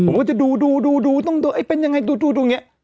ผมก็จะดูดูดูดูต้องดูไอ้เป็นยังไงดูดูดูเนี้ย